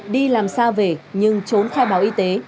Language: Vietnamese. đi làm xa về nhưng trốn khai báo y tế